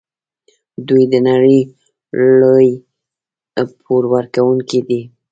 دوی د نړۍ لوی پور ورکوونکي دي.